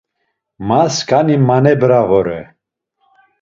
Ma skani manebra vore.